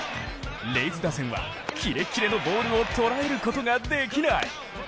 レイズ打線はキレッキレのボールを捉えることができない。